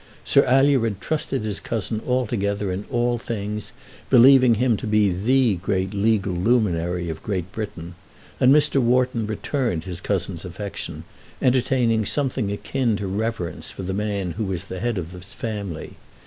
Sir Alured trusted his cousin altogether in all things, believing him to be the great legal luminary of Great Britain, and Mr. Wharton returned his cousin's affection, entertaining something akin to reverence for the man who was the head of his family.